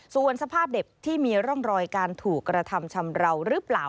ส่วนสภาพเด็กที่มีร่องรอยการถูกกระทำชำราวหรือเปล่า